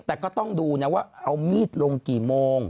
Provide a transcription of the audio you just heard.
แต่ก็ต้องดูนะว่าเอามีดลงกี่โมง